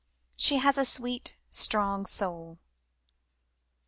"SHE HAS A SWEET, STRONG SOUL."